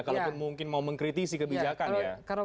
kalau mungkin mau mengkritisi kebijakan